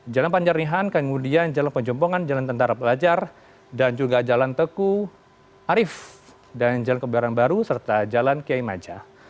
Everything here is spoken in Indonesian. jalan panjarihan kemudian jalan penjompongan jalan tentara pelajar dan juga jalan teku arif dan jalan kebarang baru serta jalan kiai majah